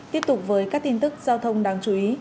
tiếp tục với các tin tức giao thông đáng chú ý